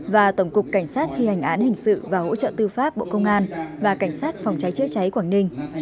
và tổng cục cảnh sát thi hành án hình sự và hỗ trợ tư pháp bộ công an và cảnh sát phòng cháy chữa cháy quảng ninh